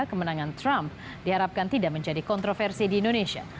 kemenangan trump diharapkan tidak menjadi kontroversi di indonesia